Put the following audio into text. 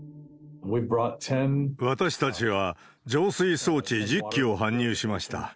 私たちは浄水装置１０基を搬入しました。